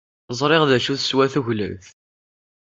Ẓriɣ d acu teswa tgellelt.